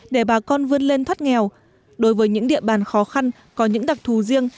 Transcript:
để bà con vươn lên thoát nghèo đối với những địa bàn khó khăn có những đặc thù riêng